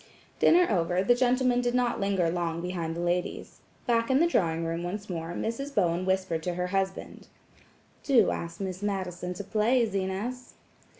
Dinner over, the gentlemen did not linger long behind the ladies. Back in the drawing room once more, Mrs. Bowen whispered to her husband: "Do ask Miss Madison to play, Zenas."